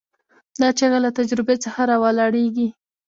دا چیغه له تجربې څخه راولاړېږي.